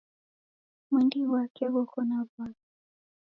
Mwindi ghwake ghoko na wasi